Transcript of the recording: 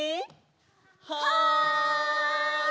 はい！